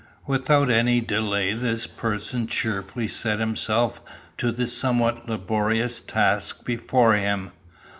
Without any delay this person cheerfully set himself to the somewhat laborious task before him.